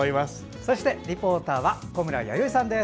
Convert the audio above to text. そしてリポーターは小村弥生さんです。